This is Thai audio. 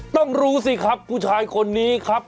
ต้องรู้สิครับผู้ชายคนนี้ครับ